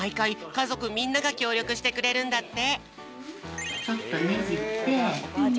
かぞくみんながきょうりょくしてくれるんだって。